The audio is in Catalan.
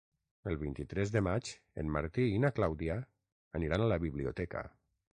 El vint-i-tres de maig en Martí i na Clàudia aniran a la biblioteca.